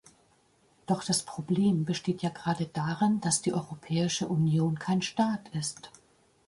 Doch das Problem besteht ja gerade darin, dass die Europäische Union kein Staat ist.